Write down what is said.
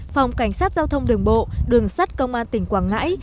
phòng cảnh sát giao thông đường bộ đường sắt công an tỉnh quảng ngãi